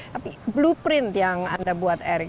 tapi blueprint yang anda buat erick